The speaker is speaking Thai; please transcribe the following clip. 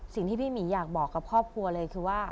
สิ่งที่พี่หมีอยากบอกกับครอบครัวเลยคือว่า